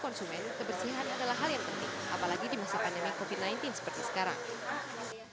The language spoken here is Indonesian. apalagi di masa pandemi covid sembilan belas seperti sekarang